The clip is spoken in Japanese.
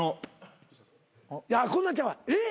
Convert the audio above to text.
いやこんなんちゃうわ「えっ！？」